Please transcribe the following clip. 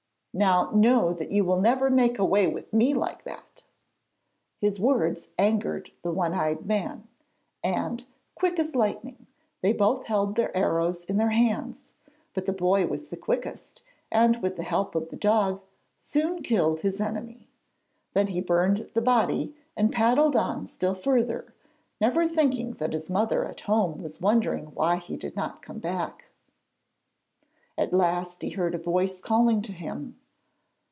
Now know that you will never make away with me like that.' His words angered the one eyed man, and, quick as lightning, they both held their arrows in their hands; but the boy was the quickest, and with the help of the dog, soon killed his enemy. Then he burned the body, and paddled on still further, never thinking that his mother at home was wondering why he did not come back. At last he heard a voice calling to him.